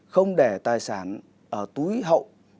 không để tài sản ở túi hậu